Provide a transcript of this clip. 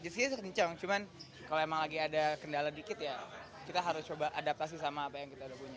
jessinya kenceng cuman kalau emang lagi ada kendala dikit ya kita harus coba adaptasi sama apa yang kita udah punya